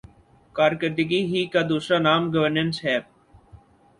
کارکردگی ہی کا دوسرا نام گورننس ہے۔